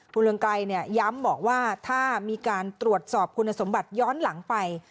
คุณเรืองไกรย้ำบอกว่าถ้ามีการตรวจสอบคุณสมบัติย้อนหลังไป